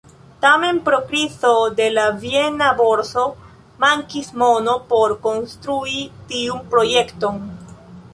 Tamen pro krizo de la viena borso, mankis mono por konstrui tiun projekton.